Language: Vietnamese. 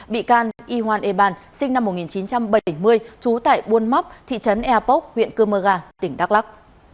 bị can y hoan e ban sinh năm một nghìn chín trăm bảy mươi trú tại buôn móc thị trấn ea pốc huyện cơ mơ gà tỉnh đắk lắk